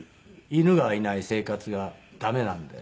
犬がいない生活がダメなんで。